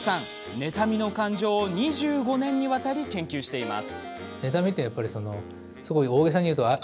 妬みの感情を２５年にわたり研究しています。